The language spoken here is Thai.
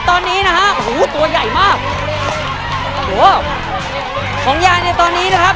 ตอนนี้นะฮะโอ้โหตัวใหญ่มากโอ้โหของยายในตอนนี้นะครับ